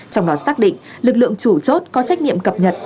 trong đó xác định lực lượng chủ chốt có trách nhiệm cập nhật